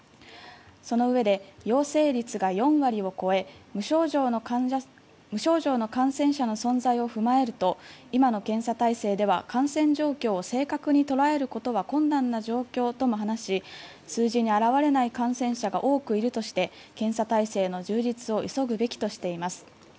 そのうえで、陽性率が４割を超え無症状の感染者の存在を踏まえると今の検査体制では感染状況を正確に捉えることは困難な状況とも話し数字に表れない感染者が多くいるとして検査体制の充実を急ぐべきとしています。